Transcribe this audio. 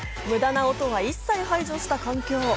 無駄な音は一切排除した環境。